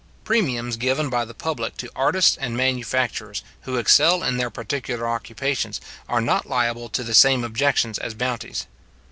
Premiums given by the public to artists and manufacturers, who excel in their particular occupations, are not liable to the same objections as bounties.